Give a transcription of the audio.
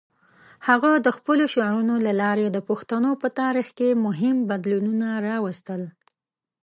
هغه د خپلو شعرونو له لارې د پښتنو په تاریخ کې مهم بدلونونه راوستل.